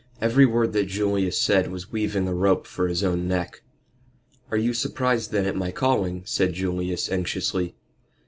Every word that Julius said was weaving a rope for his own neck. "Are you surprised then at my calling?" said Julius, anxiously.